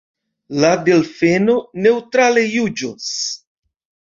La delfeno neŭtrale juĝos.